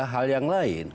hal yang lain